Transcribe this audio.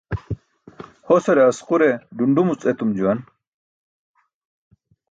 Hosare asqure ḍunḍumuc etum juwan.